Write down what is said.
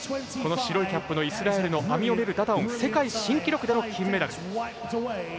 白いキャップのイスラエルのアミオメル・ダダオン世界新記録での金メダル。